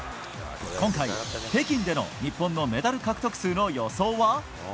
今回、北京での日本のメダル獲得数の予想は？